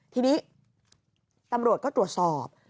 ทีนี้ตำรวจก็ตรวจสอบ